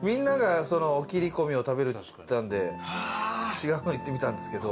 違うのいってみたんですけど。